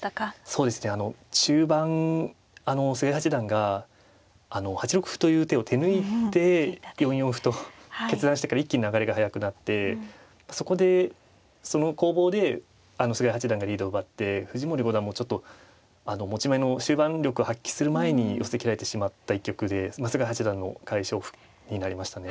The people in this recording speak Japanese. そうですね中盤菅井八段が８六歩という手を手抜いて４四歩と決断してから一気に流れが速くなってそこでその攻防で菅井八段がリードを奪って藤森五段もちょっと持ち前の終盤力を発揮する前に寄せきられてしまった一局で菅井八段の快勝譜になりましたね。